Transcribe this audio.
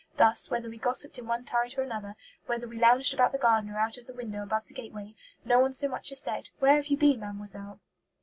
Thus, whether we gossiped in one turret or another, whether we lounged about the garden or out of the window above the gateway, no one so much as said, 'Where have you been, mademoiselle?'"